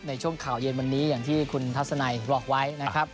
ในช่วงข่าวเย็นวันนี้อย่างที่คุณทัศนัยบอกไว้นะครับ